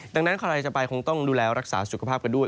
ดังนั้นใครจะไปคงต้องดูแลรักษาสุขภาพกันด้วย